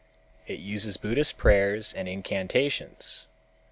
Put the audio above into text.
It uses Buddhist prayers and incantations.